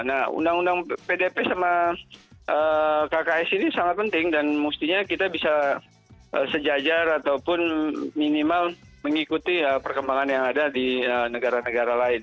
nah undang undang pdp sama kks ini sangat penting dan mestinya kita bisa sejajar ataupun minimal mengikuti perkembangan yang ada di negara negara lain